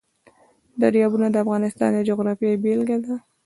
دریابونه د افغانستان د جغرافیې بېلګه ده.